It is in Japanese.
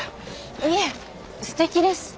いえすてきです。